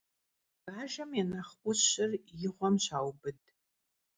Bajjem ya nexh 'Uşır yi ğuem şaubıd.